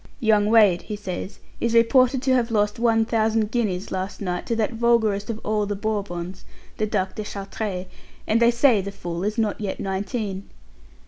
"Young Wade," he says, "is reported to have lost one thousand guineas last night to that vulgarest of all the Bourbons, the Duc de Chartres, and they say the fool is not yet nineteen."